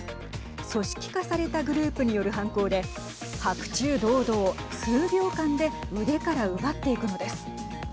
組織化されたグループによる犯行で白昼堂々、数秒間で腕から奪っていくのです。